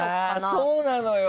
そうなのよ。